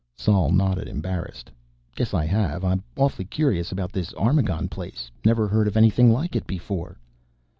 Sol nodded, embarrassed. "Guess I have. I'm awfully curious about this Armagon place. Never heard of anything like it before."